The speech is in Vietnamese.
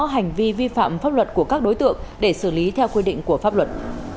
hành vi vi phạm pháp luật của các đối tượng để xử lý theo quy định của pháp luật